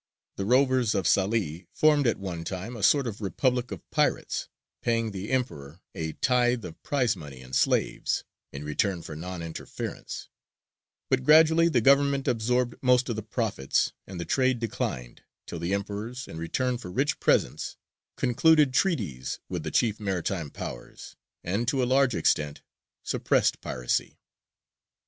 The rovers of Salē formed at one time a sort of republic of pirates, paying the emperor a tithe of prize money and slaves, in return for non interference; but gradually the Government absorbed most of the profits, and the trade declined, till the emperors, in return for rich presents, concluded treaties with the chief maritime Powers, and to a large extent suppressed piracy.